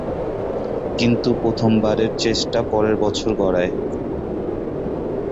কিন্তু প্রথমবারের চেষ্টা পরের বছর গড়ায়।